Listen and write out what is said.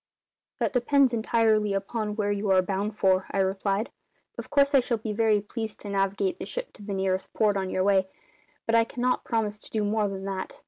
"That depends entirely upon where you are bound for," I replied. "Of course I shall be very pleased to navigate the ship to the nearest port on your way, but I cannot promise to do more than that.